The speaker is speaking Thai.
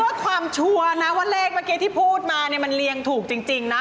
เพื่อความชัวร์นะว่าแรกเมื่อกี้ที่พูดมามันเรียงถูกจริงนะ